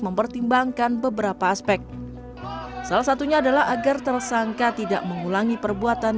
mempertimbangkan beberapa aspek salah satunya adalah agar tersangka tidak mengulangi perbuatan